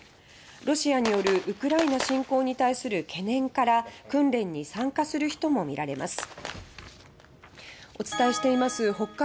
ロシアによるウクライナ侵攻に対する懸念から訓練に参加する人もみられます。